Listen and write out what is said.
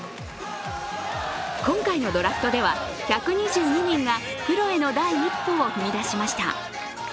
今回のドラフトでは１２２人がプロへの第一歩を踏み出しました。